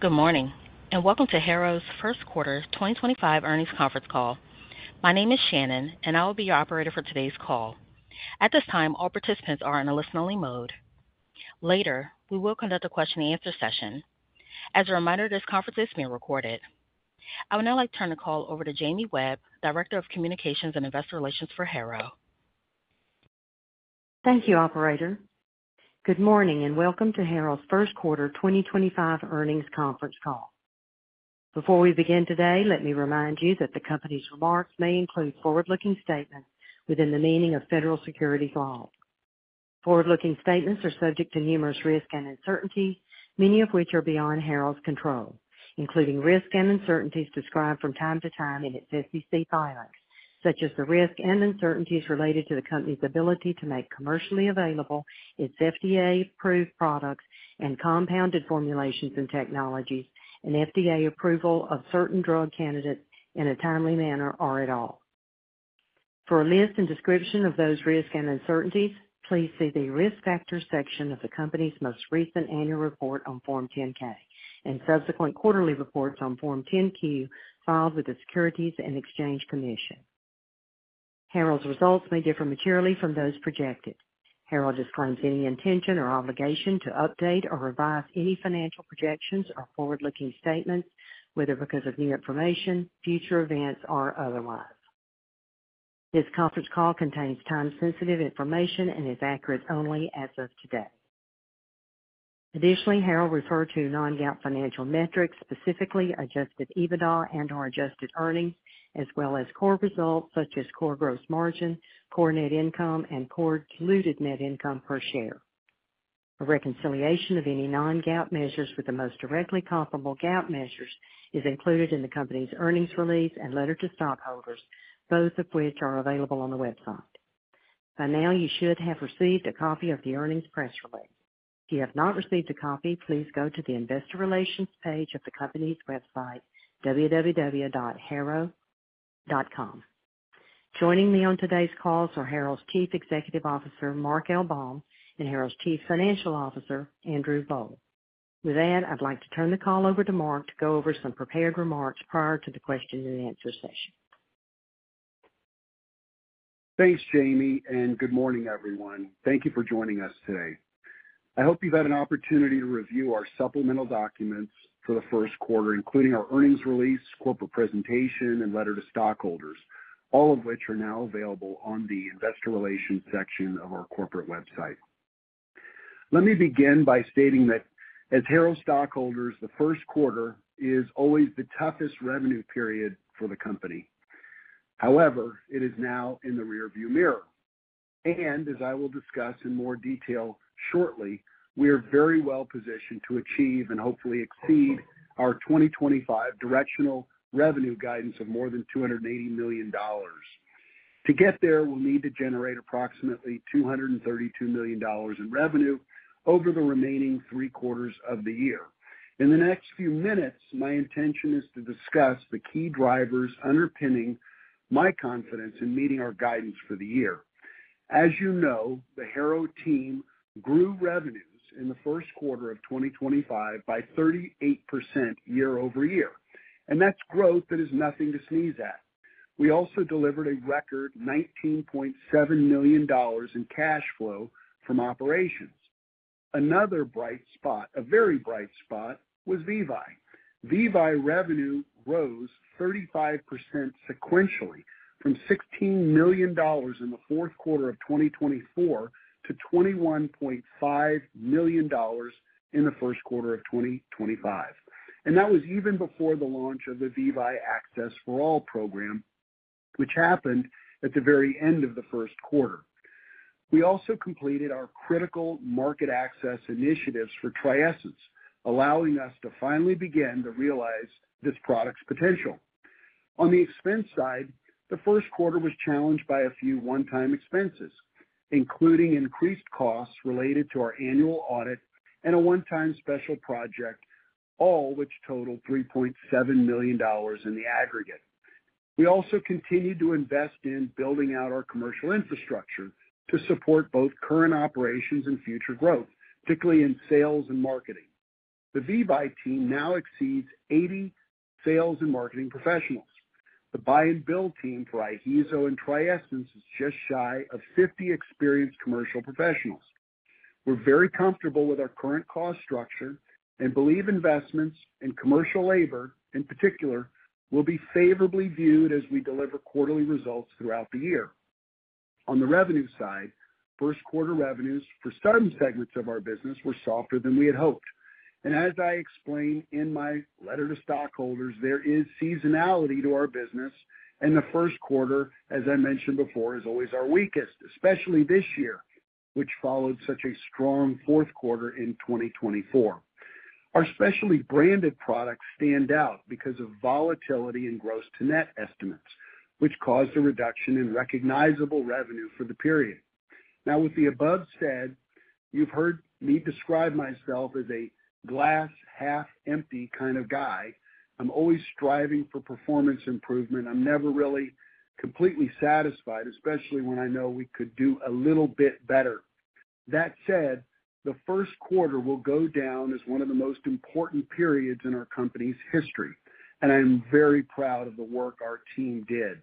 Good morning and welcome to Harrow's First Quarter 2025 Earnings conference call. My name is Shannon, and I will be your operator for today's call. At this time, all participants are in a listen-only mode. Later, we will conduct a question and answer session. As a reminder, this conference is being recorded. I would now like to turn the call over to Jamie Webb, Director of Communications and Investor Relations for Harrow. Thank you, Operator. Good morning and welcome to Harrow's First Quarter 2025 Earnings conference call. Before we begin today, let me remind you that the company's remarks may include forward-looking statements within the meaning of federal securities law. Forward-looking statements are subject to numerous risks and uncertainties, many of which are beyond Harrow's control, including risks and uncertainties described from time to time in its SEC filings, such as the risks and uncertainties related to the company's ability to make commercially available its FDA approved products and compounded formulations and technologies, and FDA approval of certain drug candidates in a timely manner or at all. For a list and description of those risks and uncertainties, please see the risk factors section of the company's most recent annual report on Form 10-K and subsequent quarterly reports on Form 10-Q filed with the Securities and Exchange Commission. Harrow's results may differ materially from those projected. Harrow disclaims any intention or obligation to update or revise any financial projections or forward-looking statements, whether because of new information, future events, or otherwise. This conference call contains time-sensitive information and is accurate only as of today. Additionally, Harrow referred to non-GAAP financial metrics, specifically adjusted EBITDA and/or adjusted earnings, as well as core results such as core gross margin, core net income, and core diluted net income per share. A reconciliation of any non-GAAP measures with the most directly comparable GAAP measures is included in the company's earnings release and letter to stockholders, both of which are available on the website. By now, you should have received a copy of the earnings press release. If you have not received a copy, please go to the investor relations page of the company's website, www.harrow.com. Joining me on today's call are Harrow's Chief Executive Officer, Mark L. Baum, andHarrow's Chief Financial Officer, Andrew Boll. With that, I'd like to turn the call over to Mark to go over some prepared remarks prior to the question-and-answer session. Thanks, Jamie, and good morning, everyone. Thank you for joining us today. I hope you've had an opportunity to review our supplemental documents for the first quarter, including our earnings release, corporate presentation, and letter to stockholders, all of which are now available on the investor relations section of our corporate website. Let me begin by stating that, as Harrow stockholders, the first quarter is always the toughest revenue period for the company. However, it is now in the rearview mirror. As I will discuss in more detail shortly, we are very well positioned to achieve and hopefully exceed our 2025 directional revenue guidance of more than $280 million. To get there, we'll need to generate approximately $232 million in revenue over the remaining three quarters of the year. In the next few minutes, my intention is to discuss the key drivers underpinning my confidence in meeting our guidance for the year. As you know, the Harrow team grew revenues in the first quarter of 2025 by 38% year-over-year, and that's growth that is nothing to sneeze at. We also delivered a record $19.7 million in cash flow from operations. Another bright spot, a very bright spot, was VEVYE. VEVYE revenue rose 35% sequentially from $16 million in the fourth quarter of 2024 to $21.5 million in the first quarter of 2025. That was even before the launch of the VEVYE Access for All program, which happened at the very end of the first quarter. We also completed our critical market access initiatives for TRIESENCE, allowing us to finally begin to realize this product's potential. On the expense side, the first quarter was challenged by a few one-time expenses, including increased costs related to our annual audit and a one-time special project, all of which totaled $3.7 million in the aggregate. We also continued to invest in building out our commercial infrastructure to support both current operations and future growth, particularly in sales and marketing. The VEVYE team now exceeds 80 sales and marketing professionals. The buy-and-bill team for IHEEZO and TRIESENCE is just shy of 50 experienced commercial professionals. We're very comfortable with our current cost structure and believe investments in commercial labor, in particular, will be favorably viewed as we deliver quarterly results throughout the year. On the revenue side, first quarter revenues for some segments of our business were softer than we had hoped. As I explained in my letter to stockholders, there is seasonality to our business, and the first quarter, as I mentioned before, is always our weakest, especially this year, which followed such a strong fourth quarter in 2024. Our specially branded products stand out because of volatility in gross-to-net estimates, which caused a reduction in recognizable revenue for the period. Now, with the above said, you've heard me describe myself as a glass-half-empty kind of guy. I'm always striving for performance improvement. I'm never really completely satisfied, especially when I know we could do a little bit better. That said, the first quarter will go down as one of the most important periods in our company's history, and I'm very proud of the work our team did.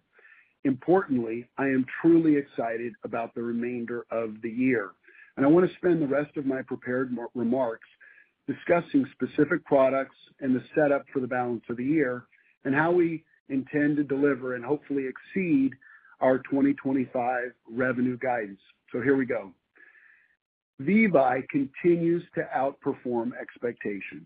Importantly, I am truly excited about the remainder of the year, and I want to spend the rest of my prepared remarks discussing specific products and the setup for the balance of the year and how we intend to deliver and hopefully exceed our 2025 revenue guidance. Here we go. VEVYE continues to outperform expectations.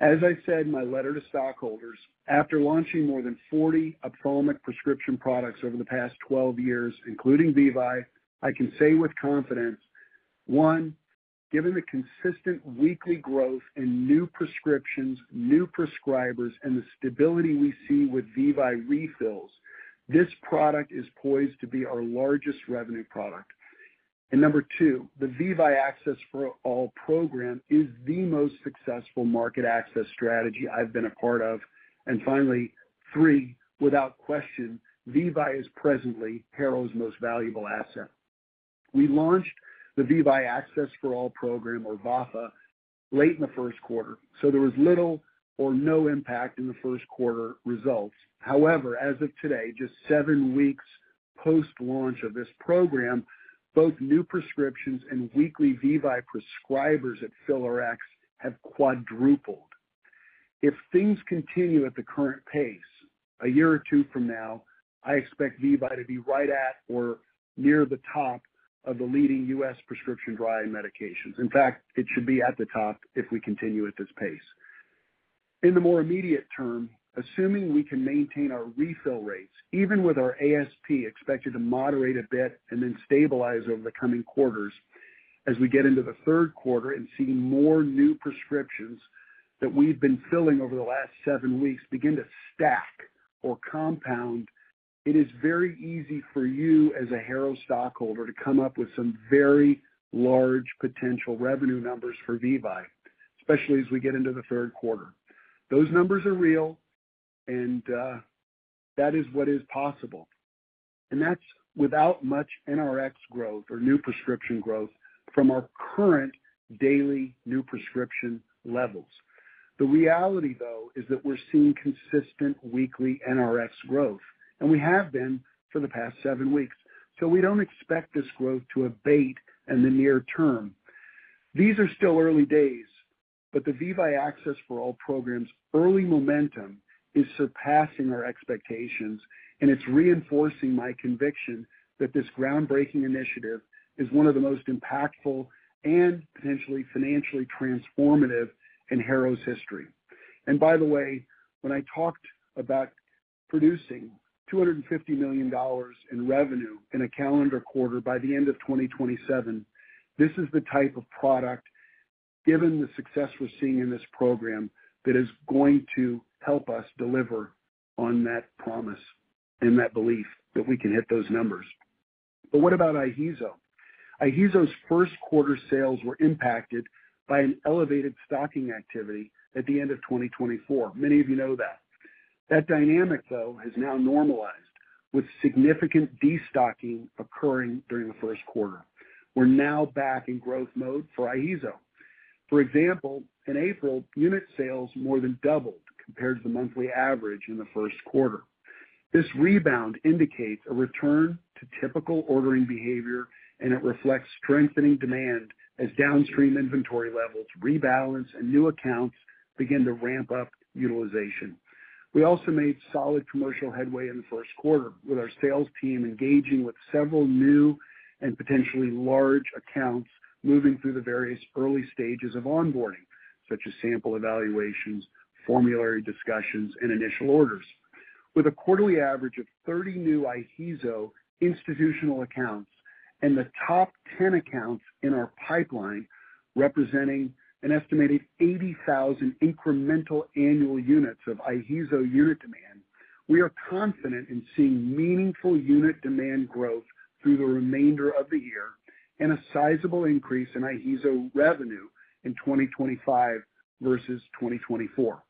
As I said in my letter to stockholders, after launching more than 40 ophthalmic prescription products over the past 12 years, including VEVYE, I can say with confidence, one, given the consistent weekly growth in new prescriptions, new prescribers, and the stability we see with VEVYE refills, this product is poised to be our largest revenue product. Number two, the VAFA program is the most successful market access strategy I have been a part of. Finally, three, without question, VEVYE is presently Harrow's most valuable asset. We launched the VEVYE Access for All program, or VAFA, late in the first quarter, so there was little or no impact in the first quarter results. However, as of today, just seven weeks post-launch of this program, both new prescriptions and weekly VEVYE prescribers at Fill-Rx have quadrupled. If things continue at the current pace, a year or two from now, I expect VEVYE to be right at or near the top of the leading U.S. prescription-dry medications. In fact, it should be at the top if we continue at this pace. In the more immediate term, assuming we can maintain our refill rates, even with our ASP expected to moderate a bit and then stabilize over the coming quarters, as we get into the third quarter and see more new prescriptions that we've been filling over the last seven weeks begin to stack or compound, it is very easy for you as a Harrow stockholder to come up with some very large potential revenue numbers for VEVYE, especially as we get into the third quarter. Those numbers are real, and that is what is possible. That's without much NRX growth or new prescription growth from our current daily new prescription levels. The reality, though, is that we're seeing consistent weekly NRX growth, and we have been for the past seven weeks. We don't expect this growth to abate in the near term. These are still early days, but the VEVYE Access for All program's early momentum is surpassing our expectations, and it's reinforcing my conviction that this groundbreaking initiative is one of the most impactful and potentially financially transformative in Harrow's history. By the way, when I talked about producing $250 million in revenue in a calendar quarter by the end of 2027, this is the type of product, given the success we're seeing in this program, that is going to help us deliver on that promise and that belief that we can hit those numbers. What about IHEEZO? IHEEZO's first quarter sales were impacted by an elevated stocking activity at the end of 2024. Many of you know that. That dynamic, though, has now normalized with significant destocking occurring during the first quarter. We're now back in growth mode for IHEEZO. For example, in April, unit sales more than doubled compared to the monthly average in the first quarter. This rebound indicates a return to typical ordering behavior, and it reflects strengthening demand as downstream inventory levels rebalance and new accounts begin to ramp up utilization. We also made solid commercial headway in the first quarter with our sales team engaging with several new and potentially large accounts moving through the various early stages of onboarding, such as sample evaluations, formulary discussions, and initial orders. With a quarterly average of 30 new IHEEZO institutional accounts and the top 10 accounts in our pipeline representing an estimated 80,000 incremental annual units of IHEEZO unit demand, we are confident in seeing meaningful unit demand growth through the remainder of the year and a sizable increase in IHEEZO revenue in 2025 versus 2024.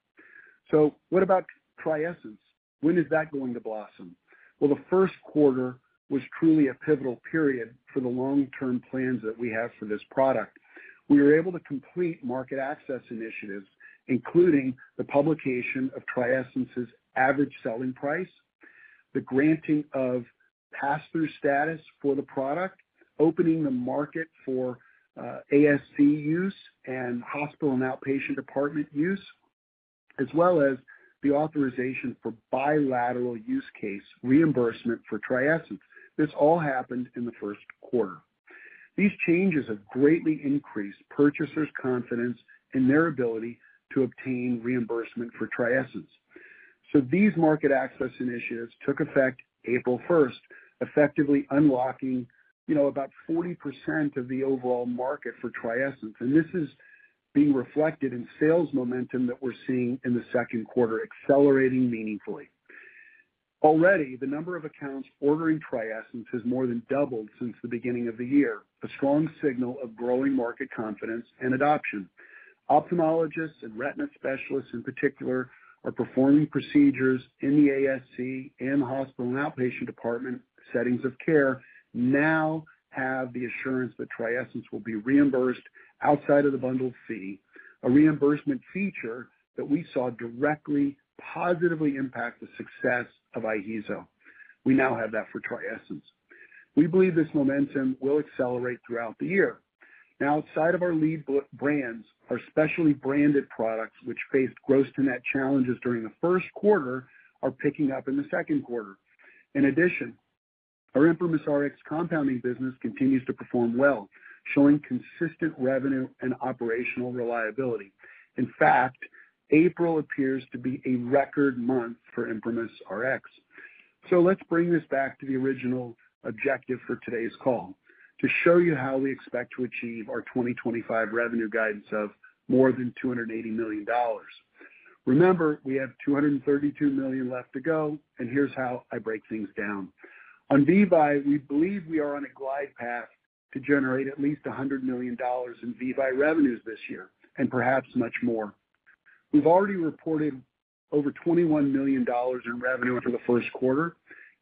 What about TRIESENCE? When is that going to blossom? The first quarter was truly a pivotal period for the long-term plans that we have for this product. We were able to complete market access initiatives, including the publication of TRIESENCE's average selling price, the granting of pass-through status for the product, opening the market for ASC use and hospital and outpatient department use, as well as the authorization for bilateral use case reimbursement for TRIESENCE. This all happened in the first quarter. These changes have greatly increased purchasers' confidence in their ability to obtain reimbursement for TRIESENCE. These market access initiatives took effect April 1st, effectively unlocking about 40% of the overall market for TRIESENCE. This is being reflected in sales momentum that we are seeing in the second quarter, accelerating meaningfully. Already, the number of accounts ordering TRIESENCE has more than doubled since the beginning of the year, a strong signal of growing market confidence and adoption. Ophthalmologists and retina specialists, in particular, are performing procedures in the ASC and hospital and outpatient department settings of care, now have the assurance that TRIESENCE will be reimbursed outside of the bundled fee, a reimbursement feature that we saw directly positively impact the success of IHEEZO. We now have that for TRIESENCE. We believe this momentum will accelerate throughout the year. Now, outside of our lead brands, our specially branded products, which faced gross-to-net challenges during the first quarter, are picking up in the second quarter. In addition, our ImprimisRx compounding business continues to perform well, showing consistent revenue and operational reliability. In fact, April appears to be a record month for ImprimisRx. Let's bring this back to the original objective for today's call, to show you how we expect to achieve our 2025 revenue guidance of more than $280 million. Remember, we have $232 million left to go, and here's how I break things down. On VEVYE, we believe we are on a glide path to generate at least $100 million in VEVYE revenues this year, and perhaps much more. We've already reported over $21 million in revenue for the first quarter.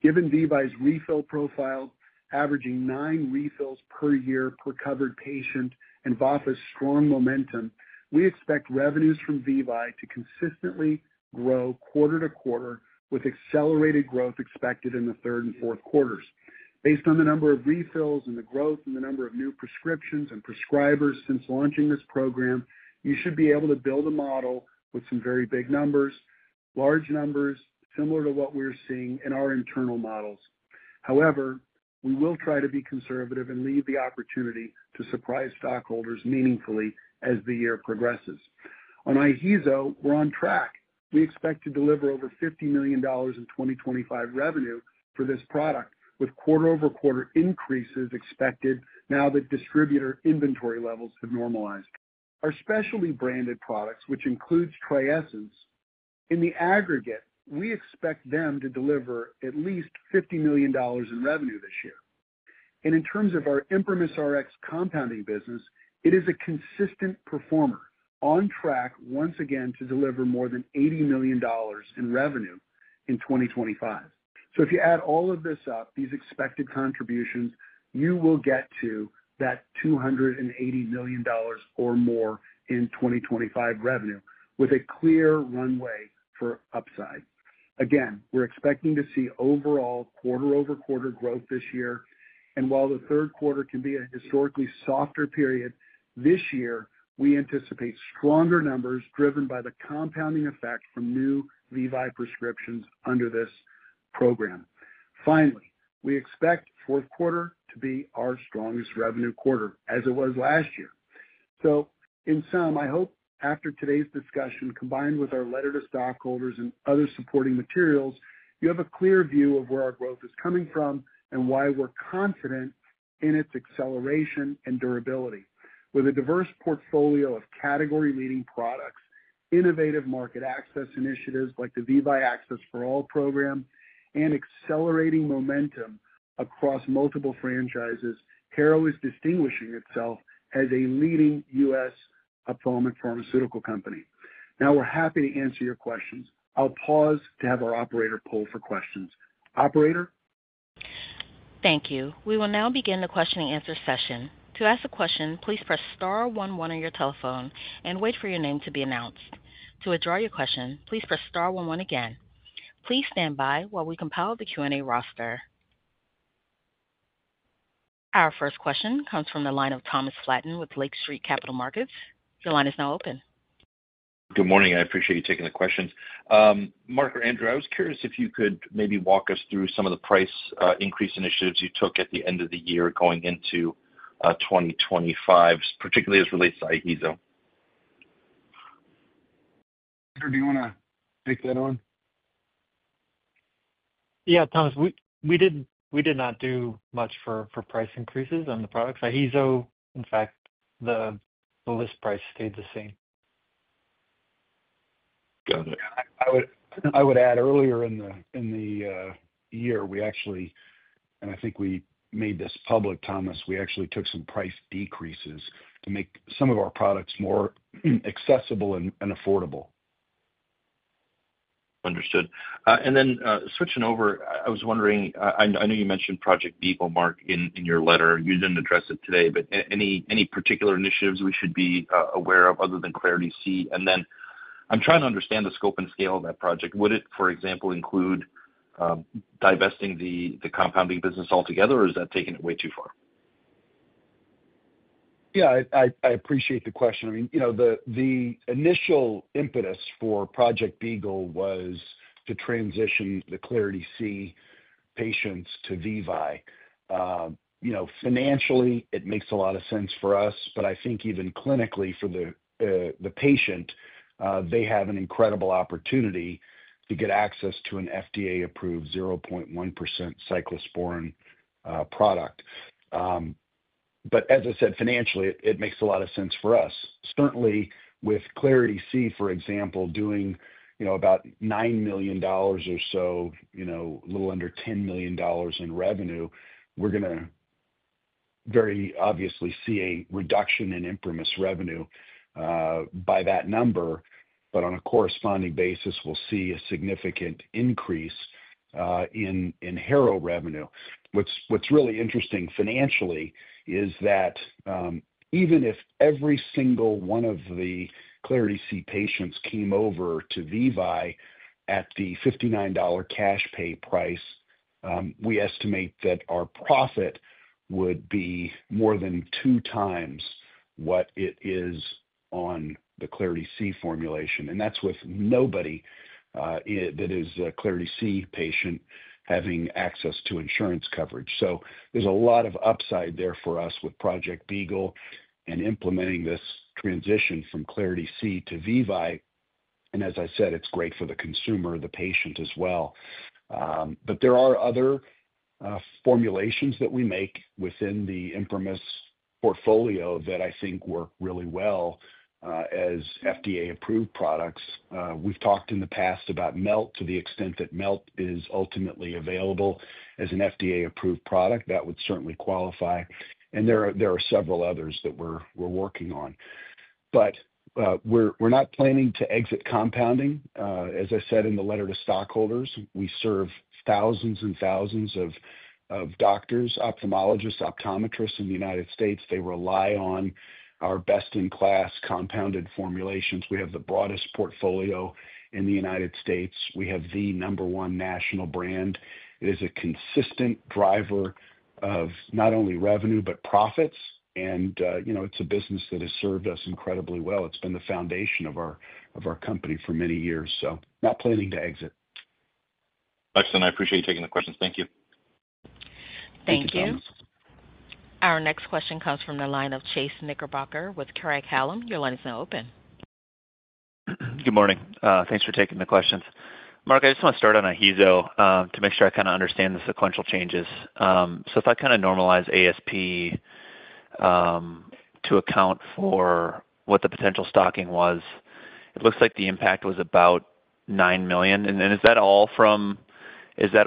Given VEVYE's refill profile, averaging nine refills per year per covered patient and VAFA's strong momentum, we expect revenues from VEVYE to consistently grow quarter-over-quarter, with accelerated growth expected in the third and fourth quarters. Based on the number of refills and the growth and the number of new prescriptions and prescribers since launching this program, you should be able to build a model with some very big numbers, large numbers similar to what we're seeing in our internal models. However, we will try to be conservative and leave the opportunity to surprise stockholders meaningfully as the year progresses. On IHEEZO, we're on track. We expect to deliver over $50 million in 2025 revenue for this product, with quarter-over-quarter increases expected now that distributor inventory levels have normalized. Our specially branded products, which includes TRIESENCE, in the aggregate, we expect them to deliver at least $50 million in revenue this year. In terms of our ImprimisRx compounding business, it is a consistent performer, on track once again to deliver more than $80 million in revenue in 2025. If you add all of this up, these expected contributions, you will get to that $280 million or more in 2025 revenue, with a clear runway for upside. Again, we're expecting to see overall quarter-over-quarter growth this year. While the third quarter can be a historically softer period, this year, we anticipate stronger numbers driven by the compounding effect from new VEVYE prescriptions under this program. Finally, we expect fourth quarter to be our strongest revenue quarter, as it was last year. In sum, I hope after today's discussion, combined with our letter to stockholders and other supporting materials, you have a clear view of where our growth is coming from and why we're confident in its acceleration and durability. With a diverse portfolio of category-leading products, innovative market access initiatives like the VEVYE Access for All program, and accelerating momentum across multiple franchises, Harrow is distinguishing itself as a leading U.S. ophthalmic pharmaceutical company. Now, we're happy to answer your questions. I'll pause to have our operator poll for questions. Operator? Thank you. We will now begin the question and answer session. To ask a question, please press star one one on your telephone and wait for your name to be announced. To withdraw your question, please press star one one again. Please stand by while we compile the Q&A roster. Our first question comes from the line of Thomas Flaten with Lake Street Capital Markets. Your line is now open. Good morning. I appreciate you taking the question. Mark or Andrew, I was curious if you could maybe walk us through some of the price increase initiatives you took at the end of the year going into 2025, particularly as it relates to IHEEZO. Andrew, do you want to take that on? Yeah, Thomas. We did not do much for price increases on the products. IHEEZO, in fact, the list price stayed the same. Got it. I would add earlier in the year, we actually—I think we made this public, Thomas—we actually took some price decreases to make some of our products more accessible and affordable. Understood. Then switching over, I was wondering—I know you mentioned Project Beetle, Mark, in your letter. You did not address it today, but any particular initiatives we should be aware of other than Klarity-C? I am trying to understand the scope and scale of that project. Would it, for example, include divesting the compounding business altogether, or is that taking it way too far? Yeah, I appreciate the question. I mean, the initial impetus for Project Beetle was to transition the Klarity-C patients to VEVYE. Financially, it makes a lot of sense for us, but I think even clinically for the patient, they have an incredible opportunity to get access to an FDA approved 0.1% cyclosporine product. As I said, financially, it makes a lot of sense for us. Certainly, with Klarity-C, for example, doing about $9 million or so, a little under $10 million in revenue, we're going to very obviously see a reduction in ImprimisRx revenue by that number. On a corresponding basis, we'll see a significant increase in Harrow revenue. What's really interesting financially is that even if every single one of the Klarity-C patients came over to VEVYE at the $59 cash pay price, we estimate that our profit would be more than two times what it is on the Klarity-C formulation. That's with nobody that is a Klarity-C patient having access to insurance coverage. There is a lot of upside there for us with Project Beetle and implementing this transition from Klarity-C to VEVYE. As I said, it's great for the consumer, the patient as well. There are other formulations that we make within the ImprimisRx portfolio that I think work really well as FDA approved products. We've talked in the past about MELT to the extent that MELT is ultimately available as an FDA approved product. That would certainly qualify. There are several others that we're working on. We're not planning to exit compounding. As I said in the letter to stockholders, we serve thousands and thousands of doctors, ophthalmologists, optometrists in the United States. They rely on our best-in-class compounded formulations. We have the broadest portfolio in the United States. We have the number one national brand. It is a consistent driver of not only revenue, but profits. It's a business that has served us incredibly well. It's been the foundation of our company for many years. Not planning to exit. Excellent. I appreciate you taking the questions. Thank you. Thank you. Our next question comes from the line of Chase Knickerbocker with Craig-Hallum. Your line is now open. Good morning. Thanks for taking the questions. Mark, I just want to start on IHEEZO to make sure I kind of understand the sequential changes. So if I kind of normalize ASP to account for what the potential stocking was, it looks like the impact was about $9 million. And is that all from, is that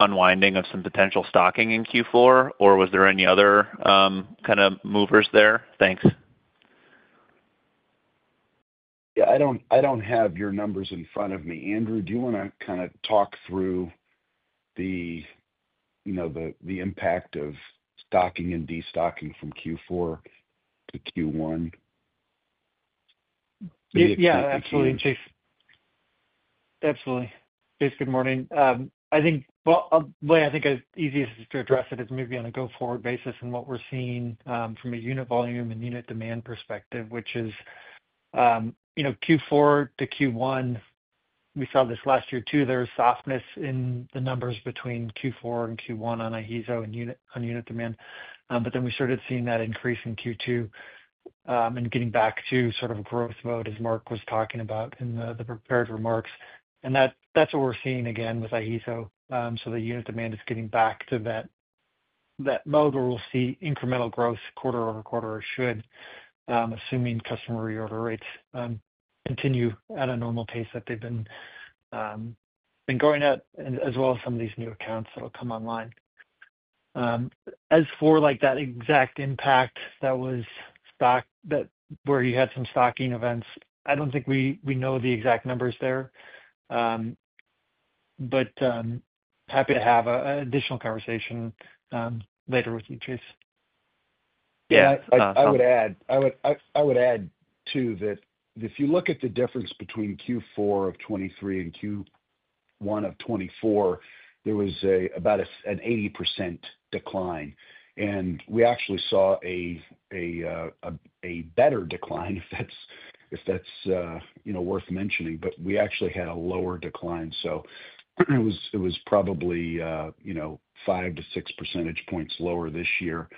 all from that unwinding of some potential stocking in Q4, or was there any other kind of movers there? Thanks. Yeah, I don't have your numbers in front of me. Andrew, do you want to kind of talk through the impact of stocking and destocking from Q4 to Q1? Yeah, absolutely. Chase. Absolutely. Chase, good morning. I think the way I think it's easiest to address it is maybe on a go-forward basis and what we're seeing from a unit volume and unit demand perspective, which is Q4 to Q1. We saw this last year too. There was softness in the numbers between Q4 and Q1 on IHEEZO and unit demand. Then we started seeing that increase in Q2 and getting back to sort of growth mode, as Mark was talking about in the prepared remarks. That is what we're seeing again with IHEEZO. The unit demand is getting back to that mode where we'll see incremental growth quarter-over-quarter or should, assuming customer reorder rates continue at a normal pace that they've been going at, as well as some of these new accounts that will come online. As for that exact impact that was stocked where you had some stocking events, I do not think we know the exact numbers there. Happy to have an additional conversation later with you, Chase. Yeah, I would add too that if you look at the difference between Q4 of 2023 and Q1 of 2024, there was about an 80% decline. We actually saw a better decline, if that's worth mentioning. We actually had a lower decline. It was probably five to six percentage points lower this year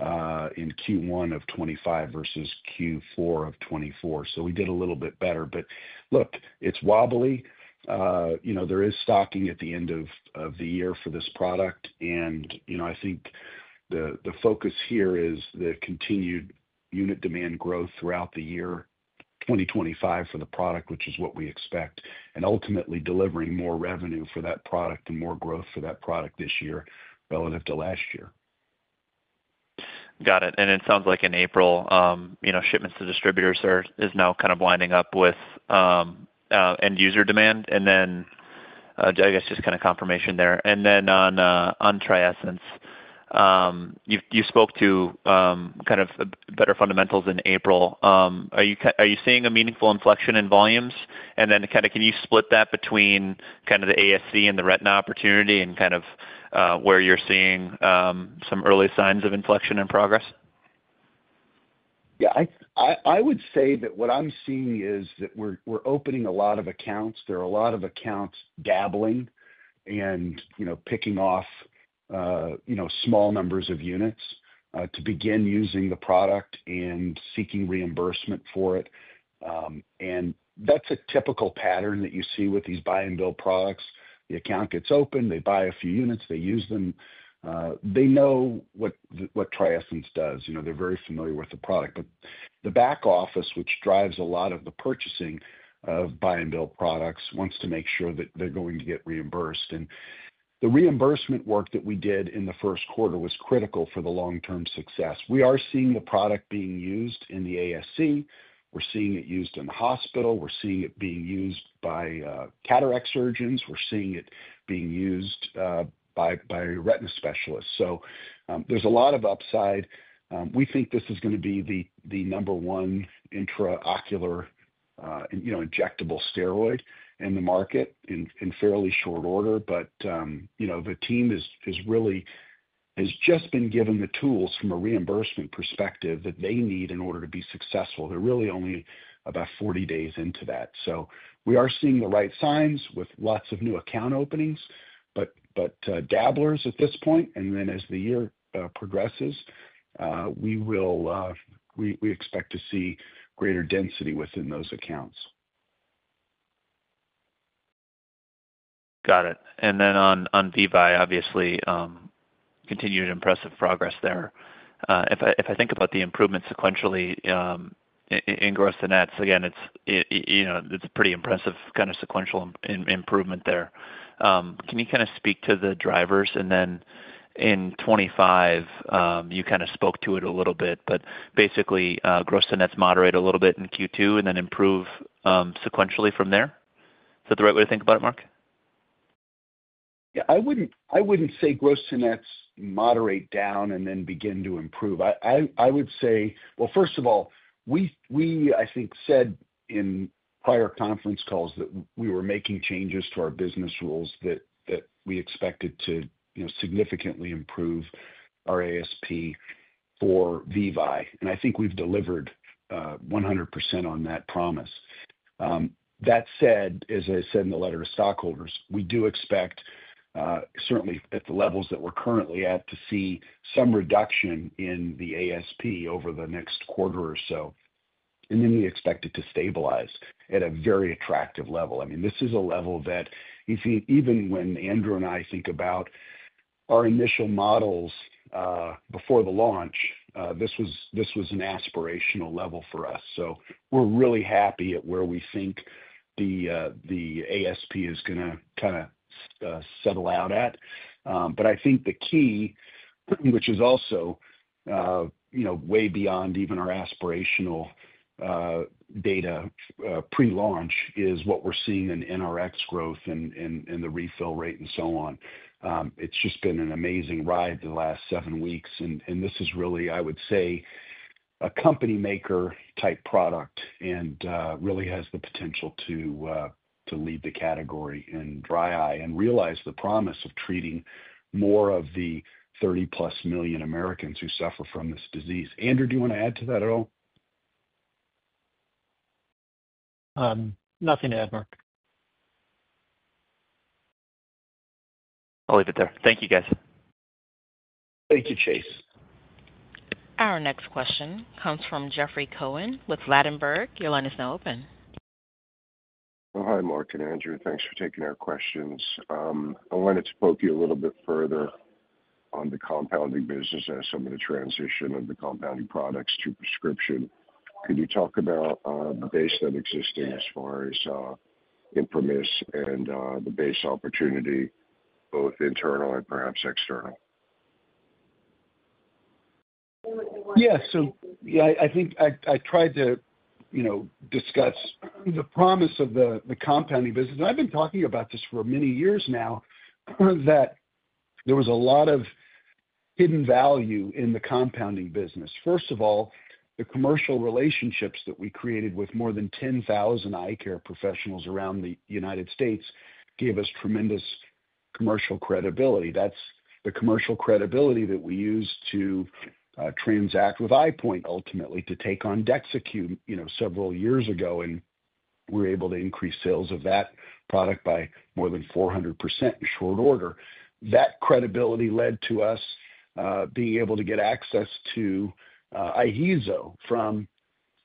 in Q1 of 2025 versus Q4 of 2024. We did a little bit better. Look, it's wobbly. There is stocking at the end of the year for this product. I think the focus here is the continued unit demand growth throughout the year 2025 for the product, which is what we expect, and ultimately delivering more revenue for that product and more growth for that product this year relative to last year. Got it. It sounds like in April, shipments to distributors are now kind of winding up with end-user demand. I guess just kind of confirmation there. On TRIESENCE, you spoke to kind of better fundamentals in April. Are you seeing a meaningful inflection in volumes? Can you split that between the ASC and the retina opportunity and where you're seeing some early signs of inflection and progress? Yeah, I would say that what I'm seeing is that we're opening a lot of accounts. There are a lot of accounts dabbling and picking off small numbers of units to begin using the product and seeking reimbursement for it. That's a typical pattern that you see with these buy-and-bill products. The account gets open, they buy a few units, they use them. They know what TRIESENCE does. They're very familiar with the product. The back office, which drives a lot of the purchasing of buy-and-bill products, wants to make sure that they're going to get reimbursed. The reimbursement work that we did in the first quarter was critical for the long-term success. We are seeing the product being used in the ASC. We're seeing it used in the hospital. We're seeing it being used by cataract surgeons. We're seeing it being used by retina specialists. There's a lot of upside. We think this is going to be the number one intraocular injectable steroid in the market in fairly short order. The team has really just been given the tools from a reimbursement perspective that they need in order to be successful. They're really only about 40 days into that. We are seeing the right signs with lots of new account openings, but dabblers at this point. As the year progresses, we expect to see greater density within those accounts. Got it. And then on VEVYE, obviously, continued impressive progress there. If I think about the improvement sequentially in gross to nets, again, it's a pretty impressive kind of sequential improvement there. Can you kind of speak to the drivers? And then in 2025, you kind of spoke to it a little bit, but basically, gross to nets moderate a little bit in Q2 and then improve sequentially from there. Is that the right way to think about it, Mark? Yeah, I would not say gross to nets moderate down and then begin to improve. I would say, first of all, we, I think, said in prior conference calls that we were making changes to our business rules that we expected to significantly improve our ASP for VEVYE. I think we have delivered 100% on that promise. That said, as I said in the letter to stockholders, we do expect, certainly at the levels that we are currently at, to see some reduction in the ASP over the next quarter or so. We expect it to stabilize at a very attractive level. I mean, this is a level that even when Andrew and I think about our initial models before the launch, this was an aspirational level for us. We are really happy at where we think the ASP is going to kind of settle out at. I think the key, which is also way beyond even our aspirational data pre-launch, is what we're seeing in NRX growth and the refill rate and so on. It's just been an amazing ride the last seven weeks. This is really, I would say, a company-maker type product and really has the potential to lead the category in dry eye and realize the promise of treating more of the 30-plus million Americans who suffer from this disease. Andrew, do you want to add to that at all? Nothing to add, Mark. I'll leave it there. Thank you, guys. Thank you, Chase. Our next question comes from Jeffrey Cohen with Ladenburg. Your line is now open. Hi, Mark and Andrew. Thanks for taking our questions. I wanted to poke you a little bit further on the compounding business and some of the transition of the compounding products to prescription. Could you talk about the base that existed as far as ImprimisRx and the base opportunity, both internal and perhaps external? Yeah. I think I tried to discuss the promise of the compounding business. I've been talking about this for many years now, that there was a lot of hidden value in the compounding business. First of all, the commercial relationships that we created with more than 10,000 eye care professionals around the United States gave us tremendous commercial credibility. That's the commercial credibility that we used to transact with EyePoint ultimately to take on DEXYCU several years ago. We were able to increase sales of that product by more than 400% in short order. That credibility led to us being able to get access to IHEEZO from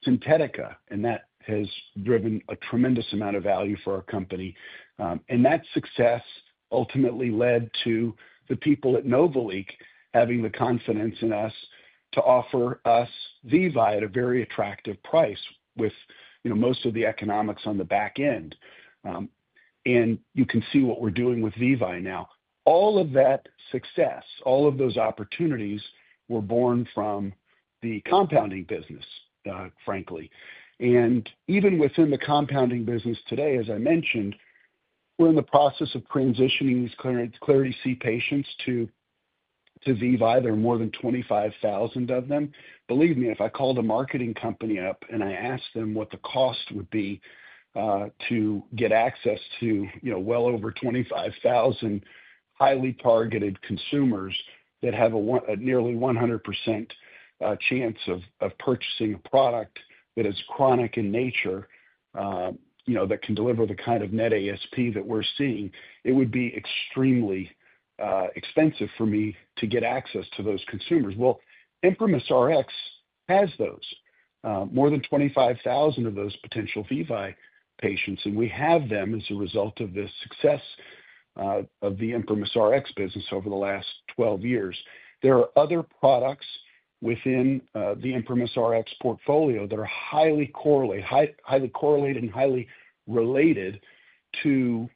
Synthetica. That has driven a tremendous amount of value for our company. That success ultimately led to the people at Novaliq having the confidence in us to offer us VEVYE at a very attractive price with most of the economics on the back end. You can see what we are doing with VEVYE now. All of that success, all of those opportunities were born from the compounding business, frankly. Even within the compounding business today, as I mentioned, we are in the process of transitioning these Klarity-C patients to VEVYE. There are more than 25,000 of them. Believe me, if I called a marketing company up and I asked them what the cost would be to get access to well over 25,000 highly targeted consumers that have a nearly 100% chance of purchasing a product that is chronic in nature that can deliver the kind of net ASP that we're seeing, it would be extremely expensive for me to get access to those consumers. ImprimisRx has those, more than 25,000 of those potential VEVYE patients. And we have them as a result of the success of the ImprimisRx business over the last 12 years. There are other products within the ImprimisRx portfolio that are highly correlated and highly related to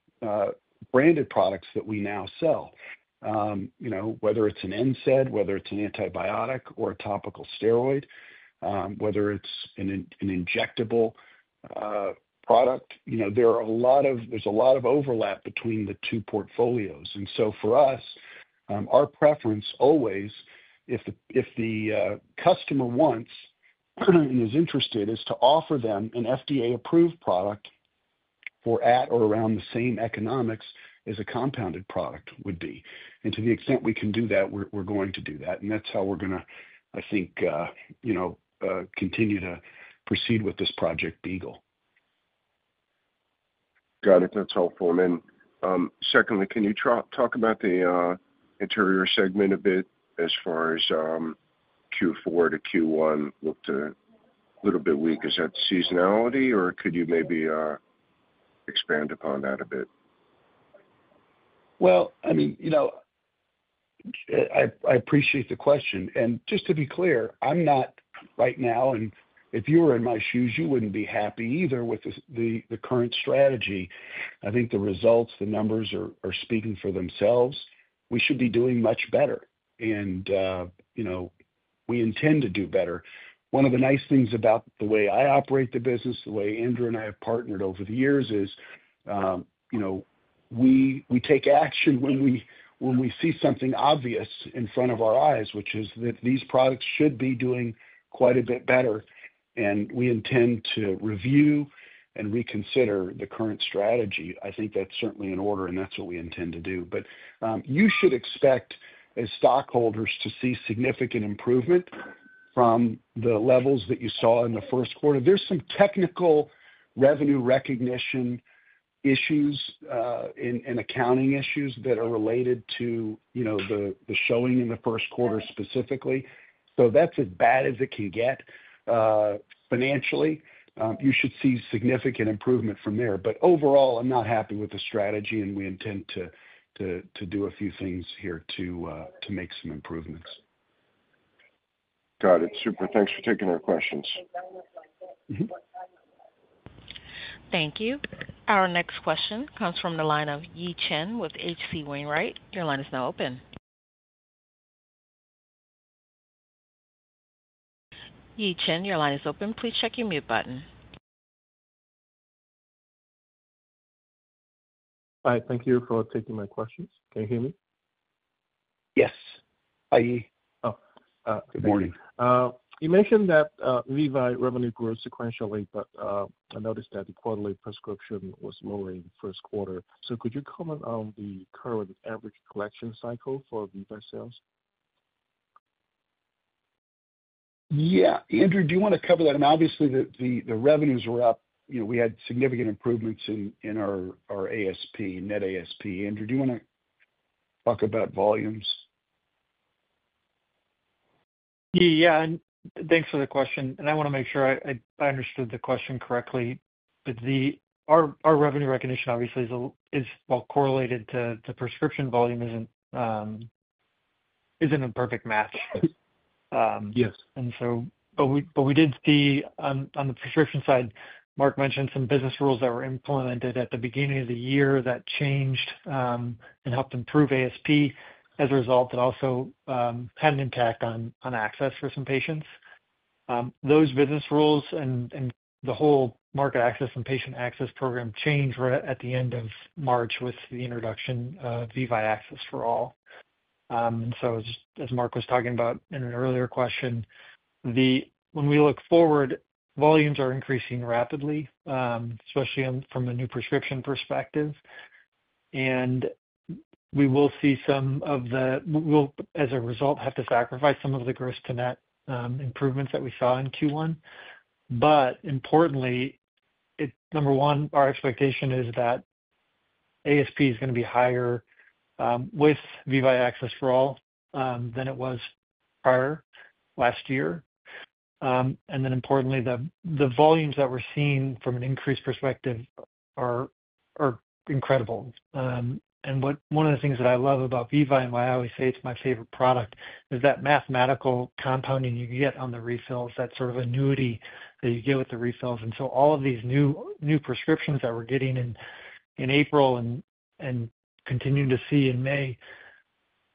branded products that we now sell, whether it's an NSAID, whether it's an antibiotic or a topical steroid, whether it's an injectable product. There is a lot of overlap between the two portfolios. For us, our preference always, if the customer wants and is interested, is to offer them an FDA approved product for at or around the same economics as a compounded product would be. To the extent we can do that, we are going to do that. That is how we are going to, I think, continue to proceed with this Project Beagle. Got it. That's helpful. And then secondly, can you talk about the anterior segment a bit as far as Q4 to Q1 looked a little bit weak? Is that seasonality, or could you maybe expand upon that a bit? I mean, I appreciate the question. Just to be clear, I'm not right now, and if you were in my shoes, you wouldn't be happy either with the current strategy. I think the results, the numbers are speaking for themselves. We should be doing much better. We intend to do better. One of the nice things about the way I operate the business, the way Andrew and I have partnered over the years is we take action when we see something obvious in front of our eyes, which is that these products should be doing quite a bit better. We intend to review and reconsider the current strategy. I think that's certainly in order, and that's what we intend to do. You should expect as stockholders to see significant improvement from the levels that you saw in the first quarter. There's some technical revenue recognition issues and accounting issues that are related to the showing in the first quarter specifically. That's as bad as it can get financially. You should see significant improvement from there. Overall, I'm not happy with the strategy, and we intend to do a few things here to make some improvements. Got it. Super. Thanks for taking our questions. Thank you. Our next question comes from the line of Yi Chen with H.C. Wainwright. Your line is now open. Ye Chen, your line is open. Please check your mute button. Hi. Thank you for taking my questions. Can you hear me? Yes. Good morning. You mentioned that VEVYE revenue grew sequentially, but I noticed that the quarterly prescription was lower in the first quarter. Could you comment on the current average collection cycle for VEVYE sales? Yeah. Andrew, do you want to cover that? Obviously, the revenues were up. We had significant improvements in our ASP, net ASP. Andrew, do you want to talk about volumes? Yeah. Thanks for the question. I want to make sure I understood the question correctly. Our revenue recognition, obviously, is well correlated to prescription volume, is not a perfect match. We did see on the prescription side, Mark mentioned some business rules that were implemented at the beginning of the year that changed and helped improve ASP. As a result, that also had an impact on access for some patients. Those business rules and the whole market access and patient access program changed right at the end of March with the introduction of VAFA. As Mark was talking about in an earlier question, when we look forward, volumes are increasing rapidly, especially from a new prescription perspective. We will see some of the, as a result, have to sacrifice some of the gross to net improvements that we saw in Q1. Importantly, number one, our expectation is that ASP is going to be higher with VEVYE Access for All than it was prior last year. Importantly, the volumes that we're seeing from an increase perspective are incredible. One of the things that I love about VEVYE, and why I always say it's my favorite product, is that mathematical compounding you get on the refills, that sort of annuity that you get with the refills. All of these new prescriptions that we're getting in April and continuing to see in May,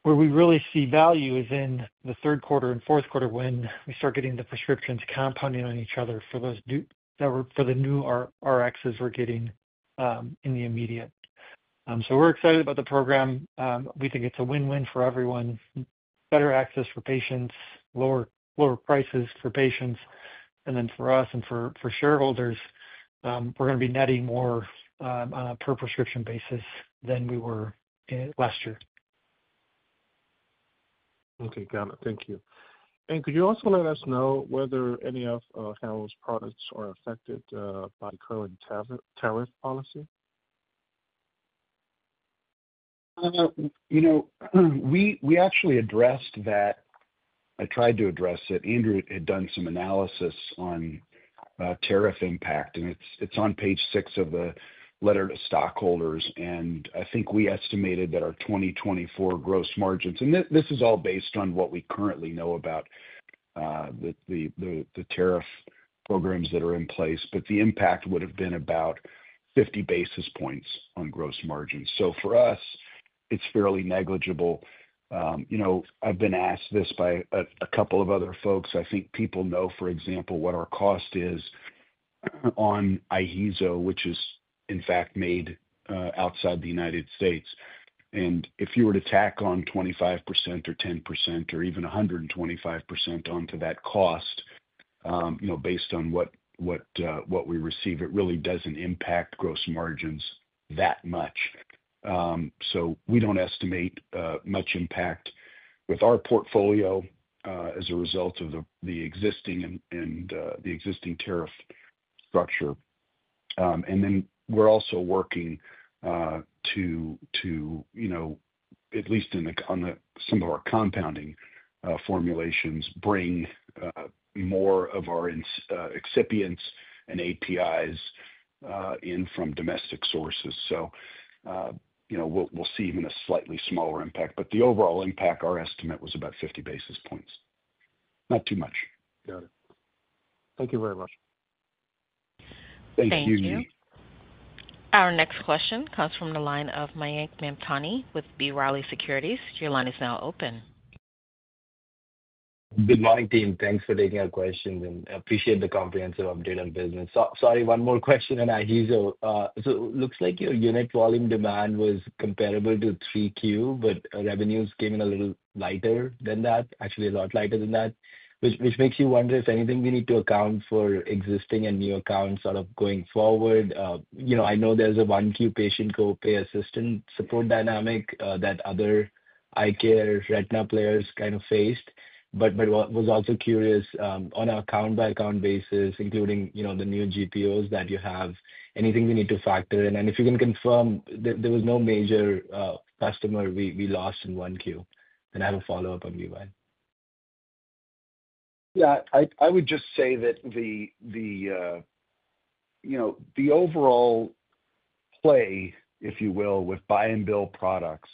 where we really see value is in the third quarter and fourth quarter when we start getting the prescriptions compounding on each other for the new RXs we're getting in the immediate. We're excited about the program. We think it's a win-win for everyone, better access for patients, lower prices for patients. For us and for shareholders, we're going to be netting more on a per-prescription basis than we were last year. Okay. Got it. Thank you. Could you also let us know whether any of Harrow's products are affected by current tariff policy? We actually addressed that. I tried to address it. Andrew had done some analysis on tariff impact. It is on page six of the letter to stockholders. I think we estimated that our 2024 gross margins, and this is all based on what we currently know about the tariff programs that are in place, but the impact would have been about 50 basis points on gross margins. For us, it is fairly negligible. I have been asked this by a couple of other folks. I think people know, for example, what our cost is on IHEEZO, which is, in fact, made outside the United States. If you were to tack on 25% or 10% or even 125% onto that cost, based on what we receive, it really does not impact gross margins that much. We do not estimate much impact with our portfolio as a result of the existing and the existing tariff structure. We are also working to, at least on some of our compounding formulations, bring more of our excipients and APIs in from domestic sources. We will see even a slightly smaller impact. The overall impact, our estimate was about 50 basis points. Not too much. Got it. Thank you very much. Thank you. Thank you. Our next question comes from the line of Mayank Mamtani with B. Riley Securities. Your line is now open. Good morning, team. Thanks for taking our questions. I appreciate the comprehensive update on business. Sorry, one more question on IHEEZO. It looks like your unit volume demand was comparable to 3Q, but revenues came in a little lighter than that, actually a lot lighter than that, which makes you wonder if anything we need to account for existing and new accounts sort of going forward. I know there is a 1Q patient copay assistance support dynamic that other eye care retina players kind of faced. I was also curious on an account-by-account basis, including the new GPOs that you have, anything we need to factor in? If you can confirm, there was no major customer we lost in 1Q. I have a follow-up on VEVYE. Yeah. I would just say that the overall play, if you will, with buy-and-bill products,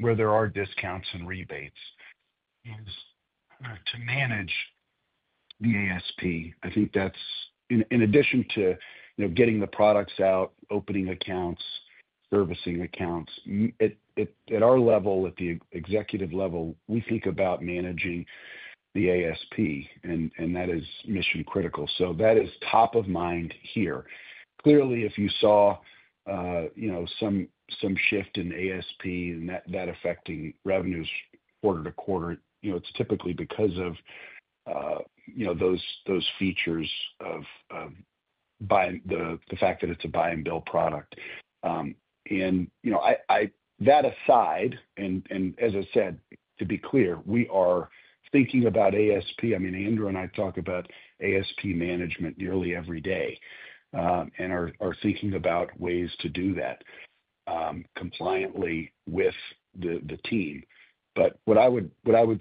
where there are discounts and rebates, is to manage the ASP. I think that's in addition to getting the products out, opening accounts, servicing accounts. At our level, at the executive level, we think about managing the ASP, and that is mission-critical. That is top of mind here. Clearly, if you saw some shift in ASP and that affecting revenues quarter to quarter, it's typically because of those features of the fact that it's a buy-and-bill product. That aside, and as I said, to be clear, we are thinking about ASP. I mean, Andrew and I talk about ASP management nearly every day and are thinking about ways to do that compliantly with the team. What I would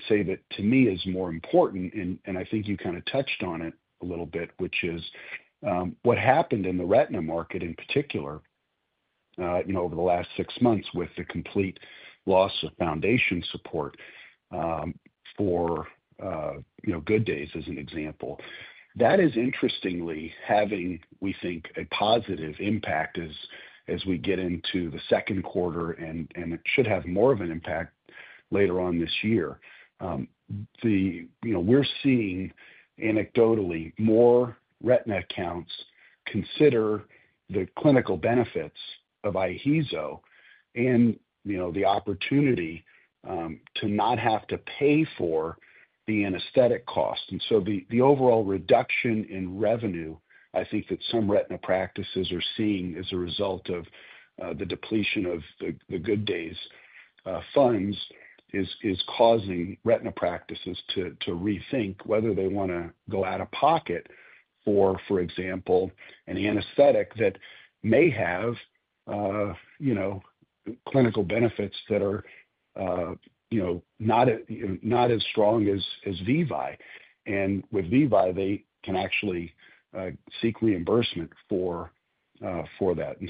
say that to me is more important, and I think you kind of touched on it a little bit, which is what happened in the retina market in particular over the last six months with the complete loss of foundation support for Good Days, as an example. That is interestingly having, we think, a positive impact as we get into the second quarter, and it should have more of an impact later on this year. We're seeing anecdotally more retina accounts consider the clinical benefits of IHEEZO and the opportunity to not have to pay for the anesthetic cost. The overall reduction in revenue, I think that some retina practices are seeing as a result of the depletion of the Good Days funds is causing retina practices to rethink whether they want to go out of pocket for, for example, an anesthetic that may have clinical benefits that are not as strong as VEVYE. With VEVYE, they can actually seek reimbursement for that. We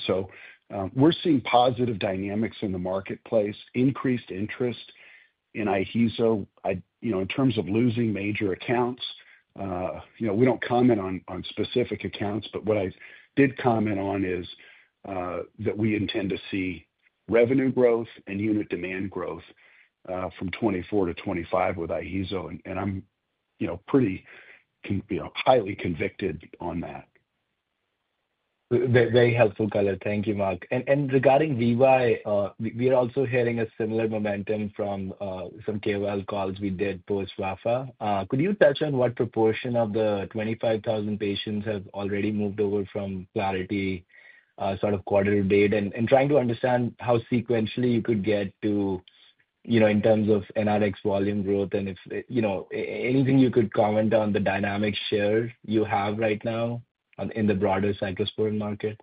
are seeing positive dynamics in the marketplace, increased interest in IHEEZO. In terms of losing major accounts, we do not comment on specific accounts, but what I did comment on is that we intend to see revenue growth and unit demand growth from 2024 to 2025 with IHEEZO. I am pretty highly convicted on that. Very helpful. Thank you, Mark. Regarding VEVYE, we are also hearing a similar momentum from some KOL calls we did post-VAFA. Could you touch on what proportion of the 25,000 patients have already moved over from Klarity-C sort of quarter to date? Trying to understand how sequentially you could get to in terms of NRX volume growth and if anything you could comment on the dynamic share you have right now in the broader cyclosporine market.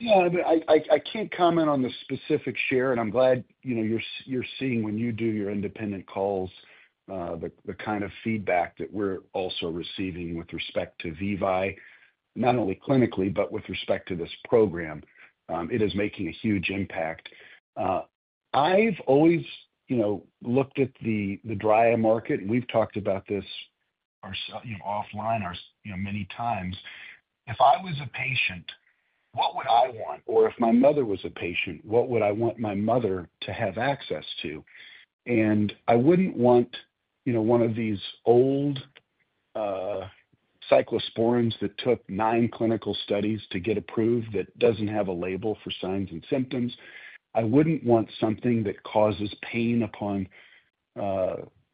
Yeah. I mean, I can't comment on the specific share, and I'm glad you're seeing when you do your independent calls the kind of feedback that we're also receiving with respect to VEVYE, not only clinically, but with respect to this program. It is making a huge impact. I've always looked at the dry eye market, and we've talked about this offline many times. If I was a patient, what would I want? Or if my mother was a patient, what would I want my mother to have access to? And I wouldn't want one of these old cyclosporines that took nine clinical studies to get approved that doesn't have a label for signs and symptoms. I wouldn't want something that causes pain upon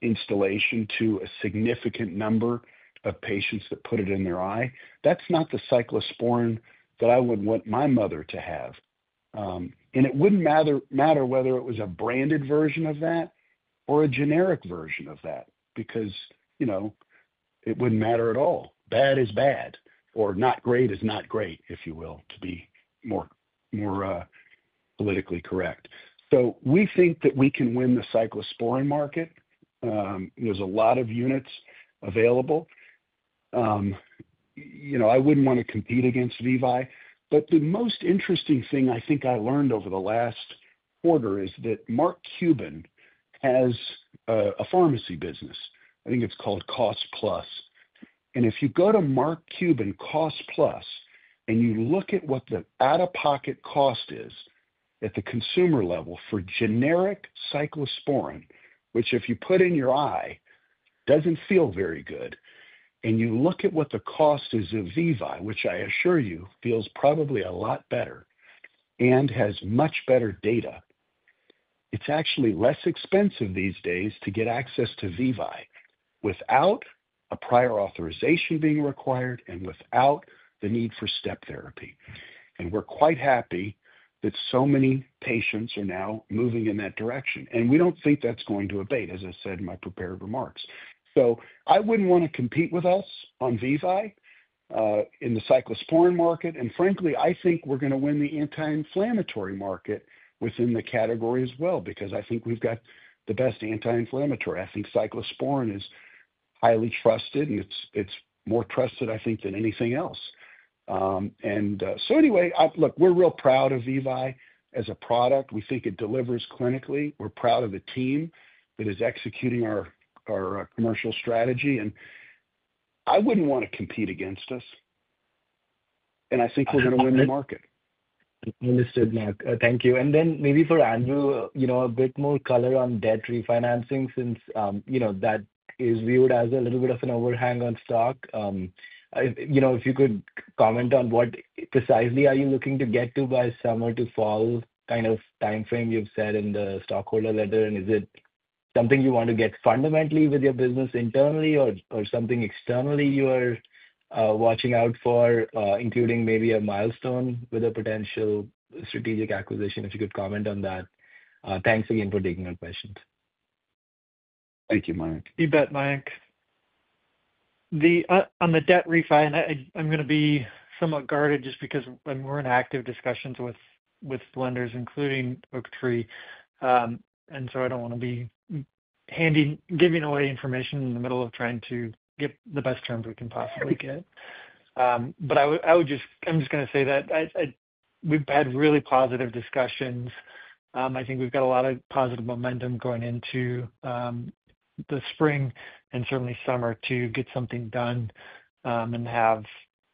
instillation to a significant number of patients that put it in their eye. That's not the cyclosporine that I would want my mother to have. It would not matter whether it was a branded version of that or a generic version of that because it would not matter at all. Bad is bad, or not great is not great, if you will, to be more politically correct. We think that we can win the cyclosporine market. There are a lot of units available. I would not want to compete against VEVYE. The most interesting thing I think I learned over the last quarter is that Mark Cuban has a pharmacy business. I think it is called Cost Plus Drugs. If you go to Mark Cuban Cost Plus and you look at what the out-of-pocket cost is at the consumer level for generic cyclosporine, which if you put in your eye does not feel very good, and you look at what the cost is of VEVYE, which I assure you feels probably a lot better and has much better data, it is actually less expensive these days to get access to VEVYE without a prior authorization being required and without the need for step therapy. We are quite happy that so many patients are now moving in that direction. We do not think that is going to abate, as I said in my prepared remarks. I would not want to compete with us on VEVYE in the cyclosporine market. Frankly, I think we're going to win the anti-inflammatory market within the category as well because I think we've got the best anti-inflammatory. I think cyclosporine is highly trusted, and it's more trusted, I think, than anything else. Anyway, look, we're real proud of VEVYE as a product. We think it delivers clinically. We're proud of the team that is executing our commercial strategy. I wouldn't want to compete against us. I think we're going to win the market. Understood, Mark. Thank you. Maybe for Andrew, a bit more color on debt refinancing since that is viewed as a little bit of an overhang on stock. If you could comment on what precisely are you looking to get to by summer to fall kind of timeframe you have said in the stockholder letter? Is it something you want to get fundamentally with your business internally or something externally you are watching out for, including maybe a milestone with a potential strategic acquisition, if you could comment on that? Thanks again for taking our questions. Thank you, Mayank. You bet, Mayank. On the debt refi, I'm going to be somewhat guarded just because we're in active discussions with lenders, including Oaktree. I don't want to be giving away information in the middle of trying to get the best terms we can possibly get. I'm just going to say that we've had really positive discussions. I think we've got a lot of positive momentum going into the spring and certainly summer to get something done and have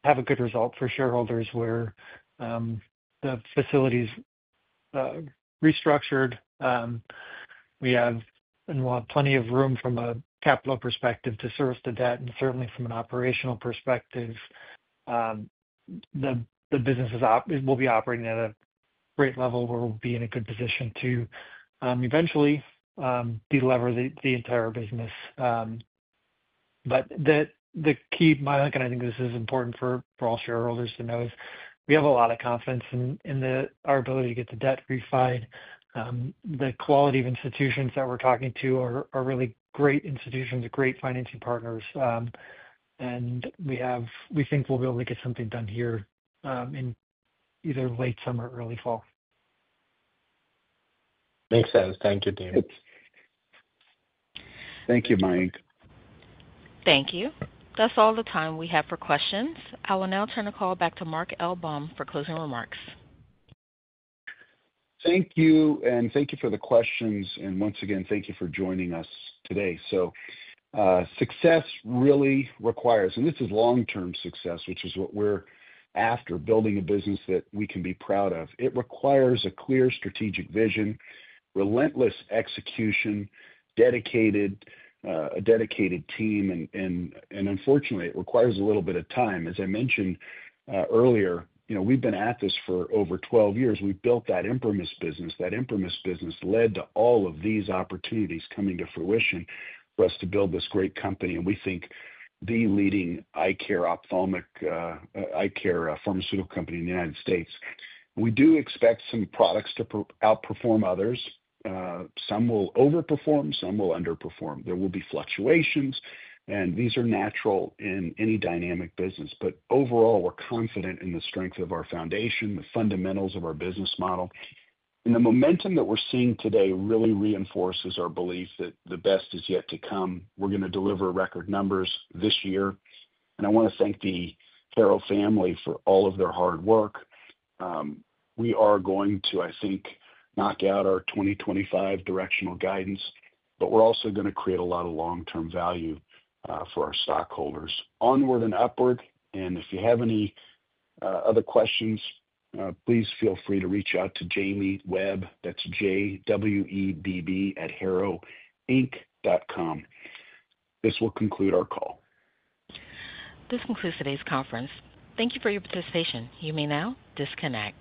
a good result for shareholders where the facility is restructured. We have plenty of room from a capital perspective to service the debt and certainly from an operational perspective. The business will be operating at a great level where we'll be in a good position to eventually deliver the entire business. The key, Mayank, and I think this is important for all shareholders to know, is we have a lot of confidence in our ability to get the debt refined. The quality of institutions that we're talking to are really great institutions, great financing partners. We think we'll be able to get something done here in either late summer or early fall. Makes sense. Thank you, team. Thank you, Mayank. Thank you. That's all the time we have for questions. I will now turn the call back to Mark L. Baum for closing remarks. Thank you. Thank you for the questions. Once again, thank you for joining us today. Success really requires, and this is long-term success, which is what we're after, building a business that we can be proud of. It requires a clear strategic vision, relentless execution, a dedicated team. Unfortunately, it requires a little bit of time. As I mentioned earlier, we've been at this for over 12 years. We've built that infamous business. That infamous business led to all of these opportunities coming to fruition for us to build this great company. We think the leading eye care ophthalmic eye care pharmaceutical company in the United States. We do expect some products to outperform others. Some will overperform. Some will underperform. There will be fluctuations. These are natural in any dynamic business. Overall, we're confident in the strength of our foundation, the fundamentals of our business model. The momentum that we're seeing today really reinforces our belief that the best is yet to come. We're going to deliver record numbers this year. I want to thank the Carroll family for all of their hard work. We are going to, I think, knock out our 2025 directional guidance, but we're also going to create a lot of long-term value for our stockholders onward and upward. If you have any other questions, please feel free to reach out to Jamie Webb. That's J-W-E-B-B at harrowinc.com. This will conclude our call. This concludes today's conference. Thank you for your participation. You may now disconnect.